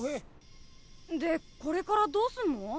でこれからどうするの？